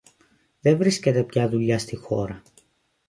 Δε βρίσκεται πια δουλειά στη χώρα.